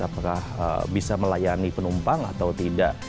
apakah bisa melayani penumpang atau tidak